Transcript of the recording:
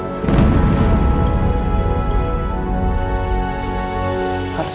boleh apa kan